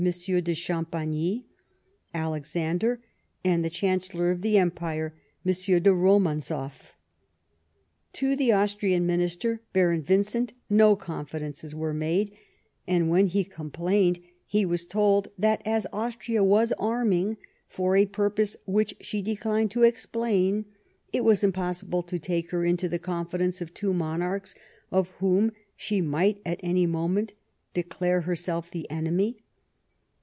de Champagny ; Alexander and the Chan cellor of the Empire, M. de Romanzoff. To the Austrian minister, Baron Vincent, no confidences were made, and when he complained, he was told that as Austria was arming, for a ])urpose which she declined to explain, it was impossible to take her into the confidence of two monarchs of whom she might at any moment declare herself the enemy.